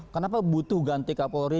kenapa butuh ganti kapolri